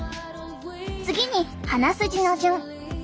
次に鼻筋の順。